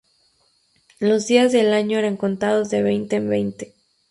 Los días del año eran contados de veinte en veinte.